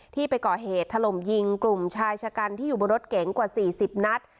ที่ไปก่อเหตุถล่มยิงกลุ่มชายชะกันที่อยู่บนรถเก๋งกว่า๔๐นัด